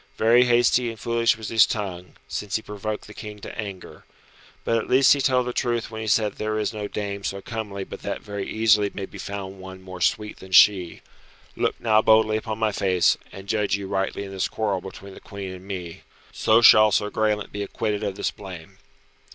Very hasty and foolish was his tongue, since he provoked the King to anger. But at least he told the truth when he said that there is no dame so comely but that very easily may be found one more sweet than she. Look now boldly upon my face, and judge you rightly in this quarrel between the Queen and me. So shall Sir Graelent be acquitted of this blame."